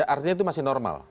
artinya itu masih normal